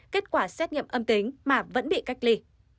kết quả xét nghiệm âm tính mà vẫn bị cách ly